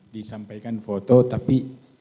disampaikan foto tapi